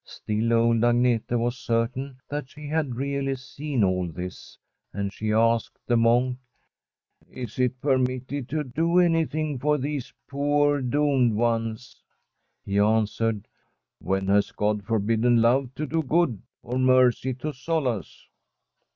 Still old Agnete was certain that she had really seen all this, and she asked the monk :' Is it permitted to do anjrthing for these poor doomed ones ?' He answered: ' When has God forbidden Love to do good or Mercy to solace